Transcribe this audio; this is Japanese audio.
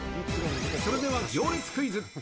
それでは行列クイズ。